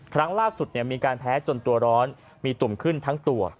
ครั้งล่าสุดมีการแพ้จนตัวร้อนมีตุ่มขึ้นทั้งตัว